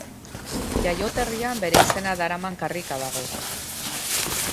Jaioterrian bere izena daraman karrika dago.